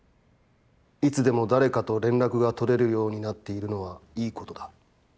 いつでも誰かと連絡が取れるようになっているのはいいことだ。